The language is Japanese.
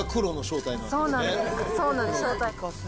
そうなんです、正体。